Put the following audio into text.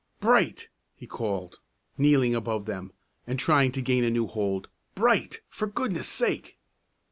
"Bright!" he called, kneeling above them, and trying to gain a new hold, "Bright, for goodness' sake!"